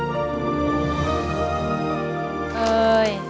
หนูอยากให้แม่ยิ้ม